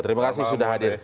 terima kasih sudah hadir